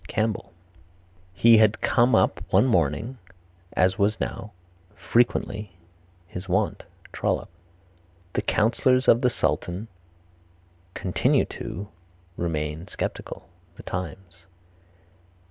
Campbell. "He had come up one morning, as was now (frequently) his wont," Trollope. The counsellors of the Sultan (continue to) remain sceptical The Times.